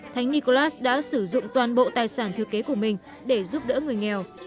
thánh nicholas đã sử dụng toàn bộ tài sản thư kế của mình để giúp đỡ người nghèo